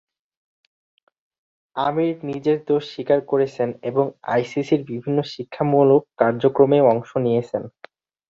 আমির নিজের দোষ স্বীকার করেছেন এবং আইসিসির বিভিন্ন শিক্ষামূলক কার্যক্রমেও অংশ নিয়েছেন।